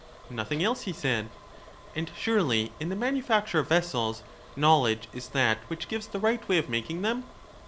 Nothing else, he said. And surely, in the manufacture of vessels, knowl edge is that which gives the right way of making them